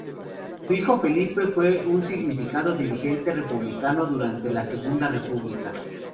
Su hijo Felipe fue un significado dirigente republicano durante la Segunda República.